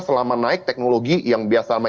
selama naik teknologi yang biasa